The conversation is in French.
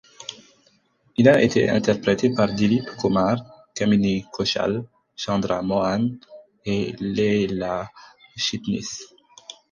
Il a été interprété par Dilip Kumar, Kamini Kaushal, Chandra Mohan et Leela Chitnis.